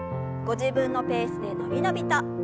ご自分のペースで伸び伸びと。